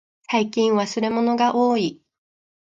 最近忘れ物がおおい。